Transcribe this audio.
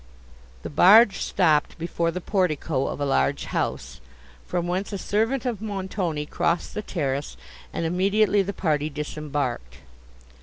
The barge stopped before the portico of a large house, from whence a servant of Montoni crossed the terrace, and immediately the party disembarked.